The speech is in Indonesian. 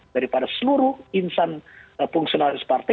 daripada seluruh insan fungsionalis partai